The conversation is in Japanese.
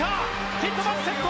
ティットマス、先頭。